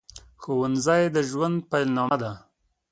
ښوونځي د ژوند پیل نامه ده